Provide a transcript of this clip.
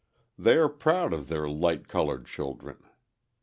They are proud of their light coloured children.